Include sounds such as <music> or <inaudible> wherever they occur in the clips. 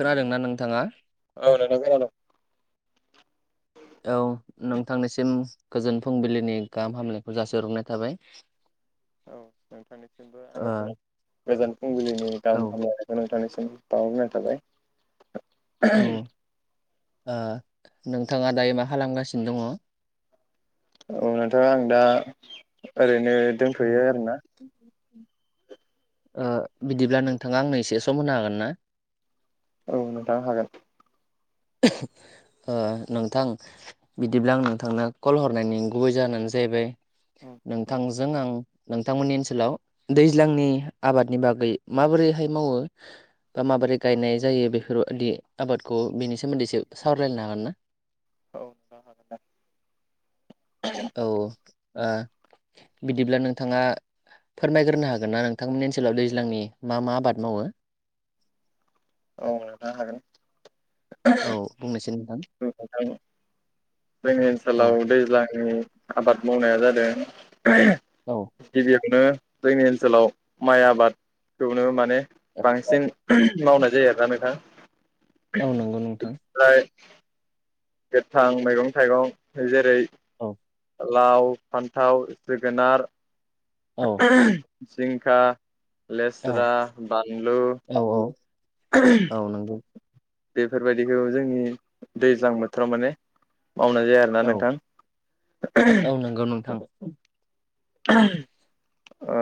खोनादों ना नोंथाङा? औ नोंथां खोनादों औ नोंथांनिसिम गोजोन फुंबिलिनि गाहाम हामलायनायखौ जासिहरग्रोनाय थाबाय औ नोंथांनिसिमबो ओ आंनि गोजान फुंबिलिनि औ गाहाम हामलायनाय नोंथांनिसिम <unintelligible> थाबाय औ आ नोंथाङा दायो मा खालामगासिनो दङ? ओ नोंथां आं दा ओरैनो दोनथ'यो आरोना बिदिब्ला नोंथाङा आंनो एसे सम होनो हागोन ना? औ नोंथां हागोन। ओ नोंथां बिदिब्ला आं नोंथांनो कल हरनायनि गुबै जाहोनानो जाहैबाय नोंथांजों आं नोंथांमोननि ओनसोलाव दैज्लांनि आबादनि बागै माबोरैहाय मावो बा माबोरै गायनाय जायो बेफोरबायदि आबादखौ बेनि सोमोन्दैसो सावरायलायनो हागोन ना औ औ ओ बिदिब्ला नोंथाङा फोरमायग्रोनो हागोन ना नोंथांमोननि ओनसोलाव दैज्लांनि मा मा आबाद मावो औ नोंथां हागोन औ बुंनोसै नोंथां जोंनि औ ओनसोलाव दैज्लांनि आबाद मावनाया जादों औ गिबियावनो जोंनि ओनसोलाव माइ आबादखौनो माने बांसिन मावनाय जायो आरोना नोंथां औ नंगौ नोंथां फ्राय, गोथां मैगं थाइगं जेरै औ लाव फान्थाव जोगोनार औ जिंखा, औ लेस्रा बानलु। औ औ नंगौ <unintelligible> बेफोरबायदिखौ जोंनि दैज्लां बोथोराव माने मावनाय जाया आरो ना औ नोंथां, नंगौ औ नोंथां। औ ओ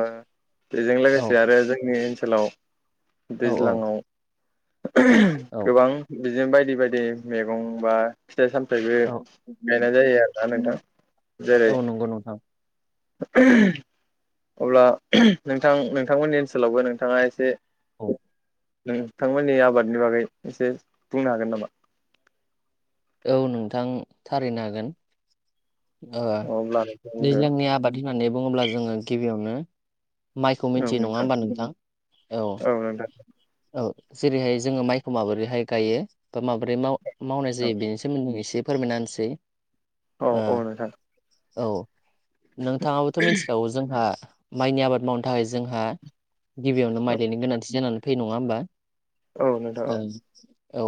बेजों औ लोगोसे आरो जोंनि ओनसोलाव, औ दैज्लांआव औ गोबां, बिदिनो बायदि बायदि मैगं बा, फिथाइ सामथायबो औ गायनाय जायो आरोना नोंथां जेरै औ नंगौ नोंथां, अब्ला नोंथां नोंथांमोननि ओनसोलावबो नोंथाङा एसे औ नोंथांमोननि आबादनि बागै एसे बुंनो हागोन नामा? औ नोंथां थारैनो हागोन ओ अब्ला नोंथां बुंदो दैज्लांनि आबाद, होननानै बुङोब्ला जोङो गिबियावनो, माइखौ मिथियो नङा होमबा नोंथां औ औ जेरैहाय जोङो माइखौ माबोरै गोयो माबोरै माव मावनाय नोंथां जायो बेनि सोमोन्दै एसे फोरमायना होनिसै, औ औ नोथां। औ नोंथाङाबोथ' मिथिखागौ जोंहा माइनि आबाद मावनो थाखाय जोंहा, गिबियावनो मायलिनि गोनांथि जानानै फैयो नङा होमबा औ नोंथां ओ, औ औ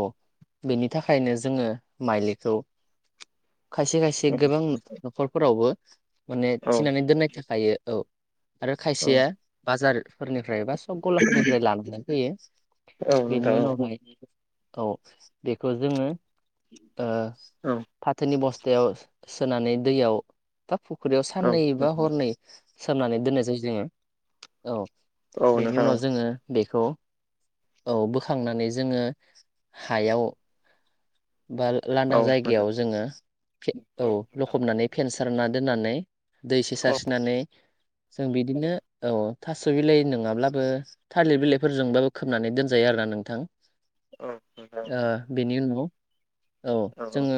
बेनि थाखायनो जोङो मायलिखौ, खायसे खायसे गोबां न'खरफोरावबो माने औ थिनानै दोननाय थाखायो। औ आरो औ खायसेया बाजारफोरनिफ्राय बास सोब गलाफोरनिफ्राय लाननानै फैयो औ नोंथां बेनि उनाव माय औ बेखौ जोङो। ओ औ फाथोनि बस्थायाव सोनानै दैयाव बा फुख्रियाव औ साननै बा हरनै, सोमनानै दोननाय जायो जोङो औ औ बेनि नोंथां औ उनाव जोङो। बेखौ औ बोखांनानै जोङो हायाव। बा औ नोंथां औ लांदां जायगायाव जोङो औ लखबनानै फेनसारना दोननानै। दै एसे सारस्रिनानै जों बिदिनो औ थास' बिलाइ नङाब्लाबो, थालिर बिलाइफोरजोंबाबो खोबनानै दोनजायो आरो ना नोंथां। औ नोंथां औ नोंथां बेनि उनाव, औ जोङो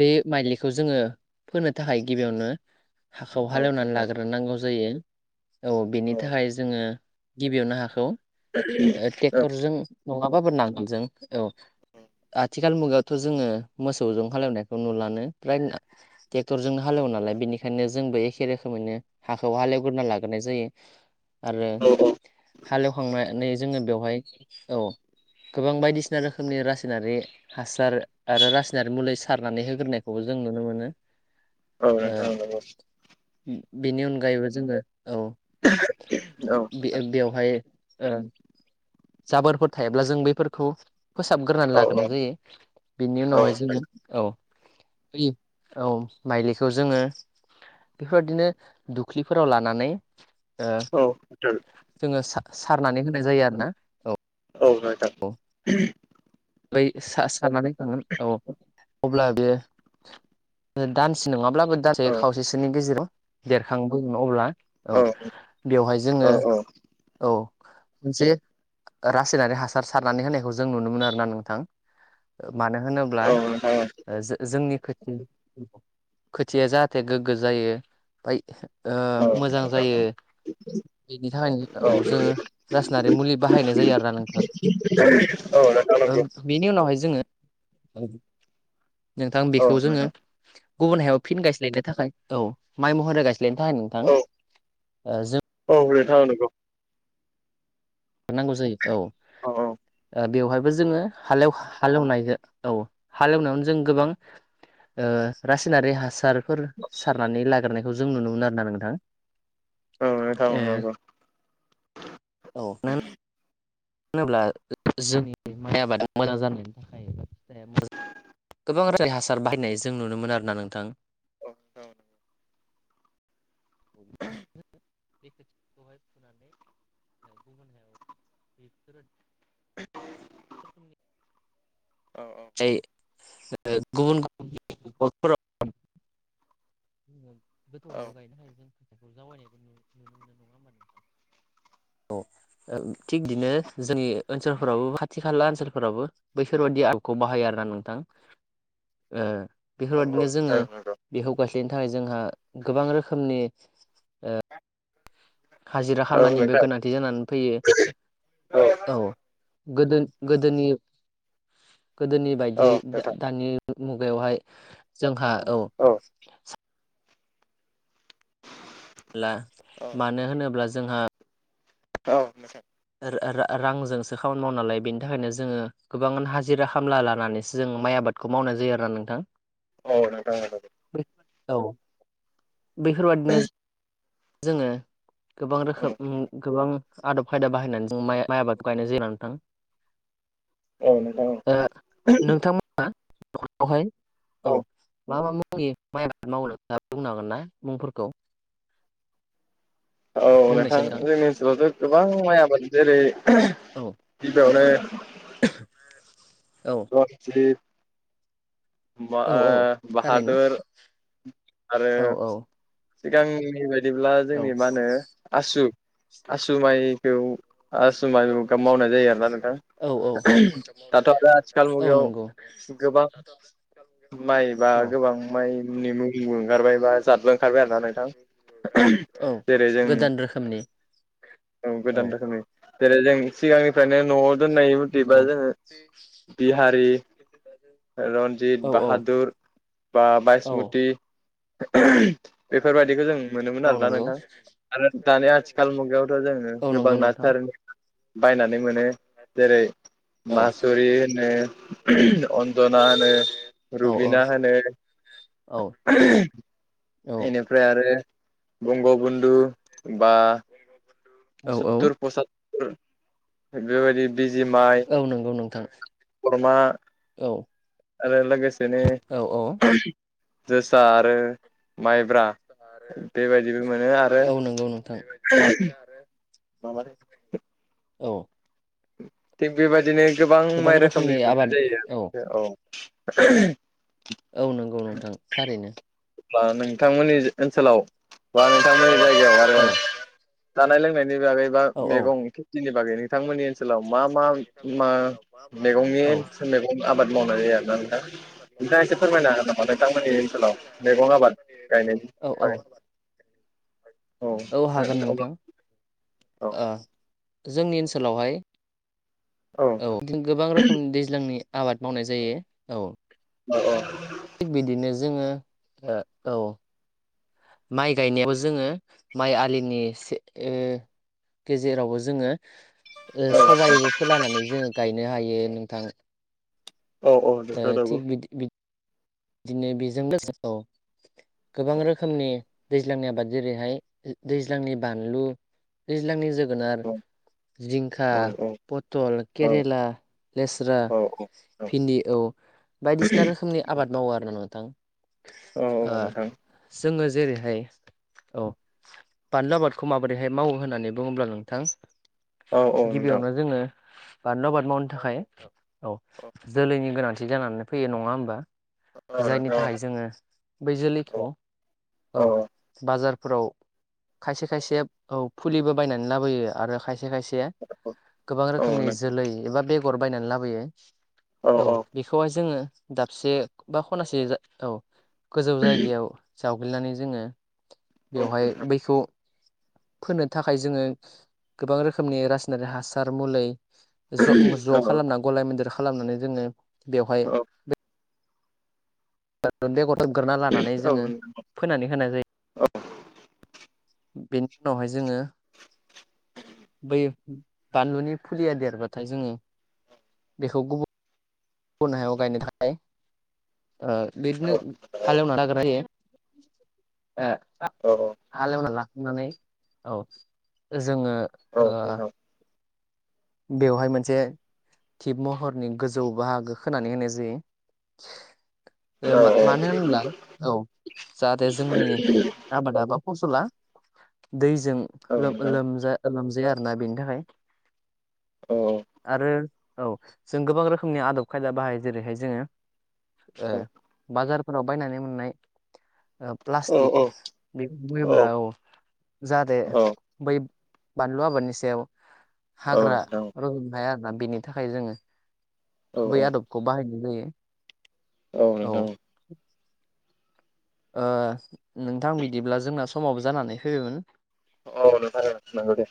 बे मायलिखौ जोङो फोनो थाखाय गिबियावनो हाखौ नोंथां औ हालेवनानै लाग्रोनांगौ जायो औ बेनि थाखाय जोङो। गिबियावनो हाखौ ट्रेक्टरजों नङाबाबो नांगोलजों औ औ आथिखाल मुगायावथ' जोङो मोसौजों खानायखौ नुलानो फ्राय ट्रेक्टरजोंनो हालेवो नालाय बेनिखायनो जोंबो एखे रोखोमैनो हाखौ हालेवग्रोना लाग्रोनाय जायो। आरो औ हालेवखांनानै जोङो बेवहाय औ गोबां बायदिसिना रोखोमनि रासायनारि, हासार आरो रासायनारि मुलि सारनानै होग्रोनायखौबो जों नुनो मोनो, औ नोंथां नोंगौ। उम बेनि अनगायैबो जोङो औ। <unintelligible> बे-बेवहाय ओ जाबोरफोर थायोब्ला जों बैफोरखौ फोसाबग्रोनानै नोंथां लाग्रोनाय जायो। बेनि उनावहाय जोङो औ। फोयो औ माइलिखौ जोङो बेफोबादिनो दुख्लिफोराव लानानै ओ जोङो सा-सारनानै होनाय जायो आरोना। औ जायो थां। औ बै सा-सारनानै थांगोन औ। अब्ला बेयो ओ दानसे नङाब्लाबो दानसे खावसे नि गेजेराव देरखांबोगोन अब्ला औ बेवहाय जोङो औ मोनसे रासायनारि हासार सारनानै होनायखौ जों नुनो मोनो आरना नों थां ओ मानो होनोब औ नोंथां औ। ओ जो-जोंनि खोथि <inaudible> खोथिया जाहाथे गोग्गो जायो फाय ओ मोजां जायो इनि थाखायनो औ जोङो रासनारि मुलि बाहायनाय जायो आरोना नोंथां औ। <unintelligible> ओं बेनि उनावहाय जोङो <inaudible> नोंथां बेखौ जोङो गुबुन हायाव फिन गायस्लायनो थाखाय औ माइ महरै गायस्लायनो थाखाय नोंथां ओ जों औ नोथां औ नोंगौ। नांगौ जायो औ ओ बेवहायबो जोङो हालेव हालेवनायजो औ हालेवनायावनो जों गोबां ओ रासायनारि हासार फोर सारनानै लाग्रोनायखौ जों नुनो मोनो आरोना नोंथां ए। <inaudible> औ नों होनोब्ला जोंनि माइ आबादा मोजां जानायनि थाखाय <inaudible> गोबां <unintelligible> हासार बाहायनाय जों नुनो मोनो आरोना नोंथां। अ <unintelligible> <inaudible> <inaudible> <inaudible> औ औ। <unintelligible> ओ गुबुन गुबुन <unintelligible> फोराव <inaudible> जोङो गोथौ हायाव गायनो <inaudible> <inaudible> अ ओम थिग दिनो जोंनि ओनसोलफोरावबो खाथि खाला ओनसोलफोरावबो बैफोरबायदि खौ बाहायो आरोना नोंथां ओ बेफोरबादिनो जोङो बेखौ गाय बेनि थाखाय जोंहा गोबां रोखोमनि हाजिरा खामलानिबो गोनांथि जानानै फैयो औ। गोदो गोदोनि गोदोनि बायदियै दा-दानि <unintelligible> मुगायावहाय जोंहा औ। ला औ मानो होनोब्ला जोंहा औ नोंथां। ओर ओरो रांजोंसो खामानि मावना लायो बेनि थाखायनो जोङो गोबां हाजिरा खामला लानानैसो जों माइ आबाद खौ मावनाय जायो आरोना नोंथां। <unintelligible> <unintelligible> औ बेफोरबादिनो जोङो गोबां औ रोखोम गोबां आदब खायदा बाहायनानै जों माइ माइ आबादखौ गायनाय जायो नोंथां <inaudible> औ नोंथां औ नोंथांमोना नवावहाय ओ औ मा मा मुंनि माइ आबाद मावनो बुंनांगोन ना मुंफोरखौ औ नोंथां जोंनि ओनसोलावथ' गोबां माइ आबाद जेरै औ गिबियावनो औ <unintelligible> बा औ आ औ थारैनो बाहादुर आरो औ सिगांनि बायदिब्ला औ जोंनि मा होनो आसु आसु माइखौ आसु माइ मावनाय जायो आरोना नोंथां औ औ मावनाय दाथ' जाया आरो ना आथिखाल नोंथां औ मुगायाव नंगौ गोबां माइ बा औ गोबां माइनि मुं ओंखारबाय बा जादलां ओंखारबाय आरोना नोंथां औ जेरै जों गोदान रोखोमनि औ गोदान रोखोमनि जेरै जों सिगांनिफ्रायनो न'आव दोननाय मथेबा जोङो <unintelligible> रनजित औ बाहादुर बा औ बायसमति बेफोरबायदिखौ जों मोनोमोन औ आरोना नंगौ नोंथां आरो दानि आथिखाल मुगायावथ' जोंङो औ नंगौ गोबां नोंथां नासारोन एबा बायनानै मोनो जेरै औ मासुरि होनो अन्जना होनो औ औ रबिना होनो औ बेनिफ्राय आरो बंग बन्धु बा औ औ सतर पसतर बेबायदि बिजि माइ औ नंगौ नोंथां बोरमा औ आरो लोगोसेनो औ औ जोसा आरो माइब्रा बेबायदिबो मोनो आरो औ नंगौ नोंथां <inaudible> माबारै औ थिग बेबायदिनो गोबां माइ रोखोमनि मोननाय जायो आरो औ औ नंगौ नोंथां थारैनो होमबा नोंथांमोननि ओनसोलाव बा नोंथांमोननि जायगायाव आरो औ जानाय लोंनायनि बागै बा औ औ मैगं खेथिनि बागै नोंथांमोननि ओनसोलाव मा मा मा मैगंनि औ मैगं आबाद मावनाय जायो आरो ना नोंथां नोंथाङा एसे फोरमायना हो नामा नोंथां मोननि ओनसोलाव आबाद गायनाय औ औ आरो औ हागोन नोंथां औ ओ जोंनि ओनसोलावहाय औ बि गोबां रोखोमनि दैज्लांनि आबाद मावनाय जायो औ अ औ थिग बिदिनो जोङो औ माइ गायनायावबो जोङो माइ आलिनि गेजेरावबो जोङो औ सबायबो फोलानानै जोङो गायनो हायो नोंथां औ औ नोंथां नंगौ दिदिनो बेजों लोगोसे औ गोबां रोखोमनि दैज्लांनि आबाद जेरैहाय दैज्लांनि बानलु दैज्लांनि जोगोनार औ जिंखा पथल केरेला लेस्रा भिन्दि औ बायदिसिना रोखोमनि आबाद मावो आरो ना नोंथां नोंथां जोङो जेरैहाय औ बानलु आबादखौ माबोरैहाय मावो होननानै बुङोब्ला नोंथां औ औ नोंथां गिबियावनो जोङो बानलु आबाद मावनो थाखाय औ जोलैनि गोनांथि जानानै फैयो नङा होमबा। औ जायनि नोंथां थाखाय जोङो बै औ जोलैखौ औ बाजारफोराव खायसे खायसेया औ फुलिबो बायनानै लाबोयो आरो खायसे खायसे के गोबां रोखोमनि औ जोलै एबा बेगर बायनानै लाबोयो औ। बेखौहाय जोङो दाबसे बा खनासे औ गोजौ जायगायाव जावग्लिनानै जोङो बेवहाय औ बैखौ फोनो थाखाय जोङो गोबां रोखोमनि रासायनारिक हासार मुलै ज' ज' औ खालामना गलाय मोनदेर खालामनानै जोङो बेवहाय औ <unintelligible> लानानै औ जोङो नोंथां फोननानै होनाय जायो। बेनि उनावहाय जोङो बै बानलुनि फुलिया देरबाथाय जोङो बेखौ गुबुन गुबुन हायाव गायनो थाखाय ओ बिदिनो औ हालेवना लाग्रोनाय जायो। ओ औ हालेवना लाखांनानै औ जोङो औे ओ नोंथां। बेवहाय मोनसे टिब महरनि गोजौ बाहागो खोनानै होनाय जायो। <unintelligible> औ औ मानो होनब्ला औ जाहाथे जोंनि आबादा बा फसला दैजों औ नोंथां लो-लोमजा लोमजाया आरो ना बेनि थाखाय। औ। आरो औ जों गोबां रोखोमनि आदब खायदा बाहायो जेरैहाय जोङो ओ बाजारफोराव बायनानै मोननाय ओ औ नोंथां औ प्लास्टिक बेखौ बुङोब्ला औ जाहाथे बै बानलु आबादनि सायाव हाग्रा रजनो हाया आरोना बेनि थाखाय जोङो बै आदबखौ बाहायनाय जायो। औ नोंथां औ। ओ नोंथां बिदिब्ला जोंना समावबो जानानै फैबायमोन। अ नोंथां नंगौ दे।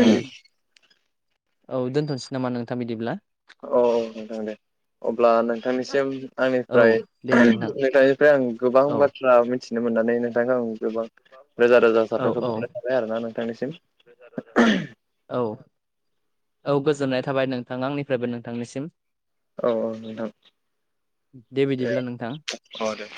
ओ औ दोनथनोसै नामा नोंथां बिदिब्ला औ नोंथां दे अब्ला नों नोंथांनिसिम औ आंनिफ्राय दे नोंथां नोंथांनिफ्राय आं गोबां औ बाथ्रा मिथि थिनो मोननानै नोंथांखौ आं गोबां रोजा रोजा औ जाथायखौ औ बावनाय थाबाय आरो ना नोंथांनिसिम। औ। औ गोजोननाय थाबाय नोंथां आंनिफ्रायबो नोंथांनिसिम। औ औ नोंथां दे बिदिब्ला नोंथां। अ दे।